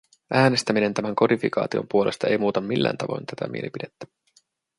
Äänestäminen tämän kodifikaation puolesta ei muuta millään tavoin tätä mielipidettä.